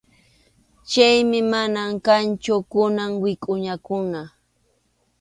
Chaymi mana kanchu kunan wikʼuñakuna.